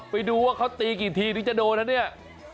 ไปดูว่าเขาตีกี่ทีถึงจะโดนนะเนี่ย